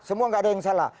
semua nggak ada yang salah